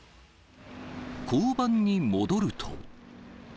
交番に戻ると。